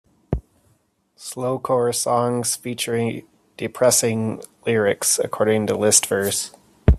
Slowcore songs feature "depressing lyrics", according to Listverse.